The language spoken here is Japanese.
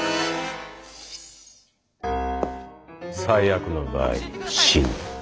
最悪の場合死ぬ。